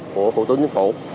của hội tuyến vụ